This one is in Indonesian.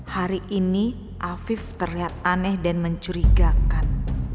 hari ini afif terlihat aneh dan mencurigakan